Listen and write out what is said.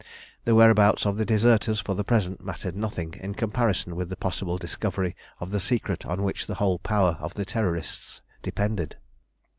The whereabouts of the deserters for the present mattered nothing in comparison with the possible discovery of the secret on which the whole power of the Terrorists depended.